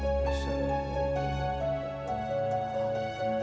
terima kasih yesime